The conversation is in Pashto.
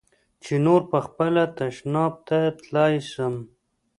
چې نور پخپله تشناب ته تلاى سوم.